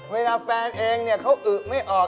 เวลาแฟนเองเนี่ยเค้าอึ๊บไม่ออก